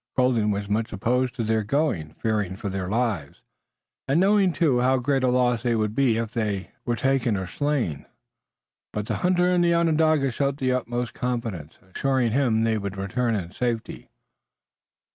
Colden was much opposed to their going, fearing for their lives, and knowing, too, how great a loss they would be if they were taken or slain, but the hunter and the Onondaga showed the utmost confidence, assuring him they would return in safety.